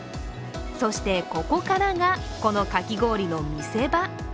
そして、ここからがこのかき氷の見せ場。